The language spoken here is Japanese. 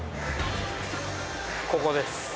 ここです